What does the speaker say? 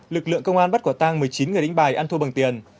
lực lượng công an bắt quả tang một mươi chín người đánh bài ăn thua bằng tiền